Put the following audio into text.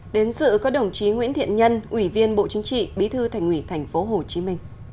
đến sự có đồng chí nguyễn thiện nhân ủy viên bộ chính trị bí thư thành ủy tp hcm